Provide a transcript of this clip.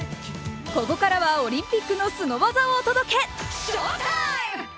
ここからはオリンピックのすご技をお届け。